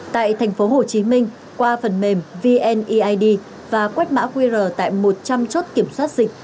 tại thành phố hồ chí minh qua phần mềm vneid và quét mã qr tại một trăm linh chốt kiểm soát dịch